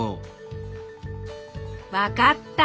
分かった。